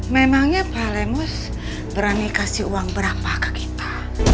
memangnya pak lemus berani kasih uang berapa ke kita